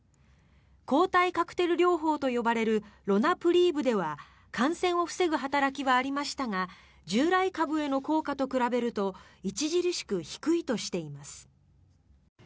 抗体カクテル療法と呼ばれるロナプリーブでは感染を防ぐ働きはありましたが従来株への効果と比べると著しく低いとしています。